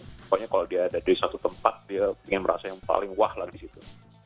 pokoknya kalau dia ada di satu tempat dia ingin merasa yang paling wah lah di situ